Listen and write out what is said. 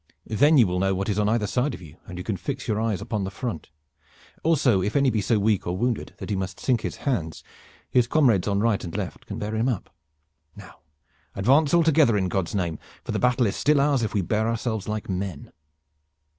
Then you will know what is on either side of you, and you can fix your eyes upon the front. Also, if any be so weak or wounded that he must sink his hands his comrades on right and left can bear him up. Now advance all together in God's name, for the battle is still ours if we bear ourselves like men."